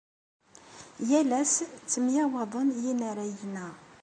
Yal ass ttemyawaḍen yinaragen-a.